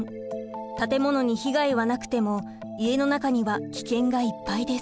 建物に被害はなくても家の中には危険がいっぱいです。